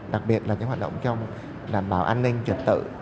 đặc biệt là các hoạt động trong đảm bảo an ninh trực tự